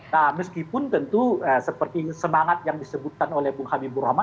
nah meskipun tentu seperti semangat yang disebutkan oleh bung habibur rahman